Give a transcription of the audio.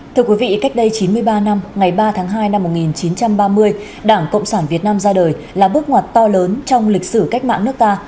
thưa quý vị cách đây chín mươi ba năm ngày ba tháng hai năm một nghìn chín trăm ba mươi đảng cộng sản việt nam ra đời là bước ngoặt to lớn trong lịch sử cách mạng nước ta